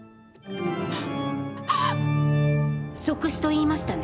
即死と言いましたね？